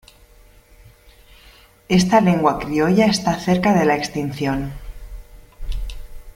Esta lengua criolla está cerca de la extinción.